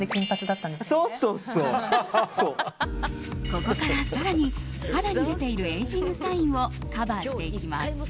ここから更に肌に出ているエイジングサインをカバーしていきます。